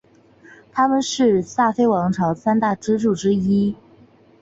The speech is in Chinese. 他们是萨非王朝三大支柱之一。